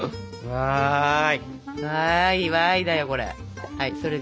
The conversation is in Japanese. わいわいだよこれ。